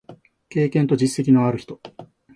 経験と実績のある人